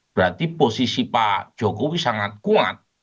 berarti posisi pak jokowi sangat kuat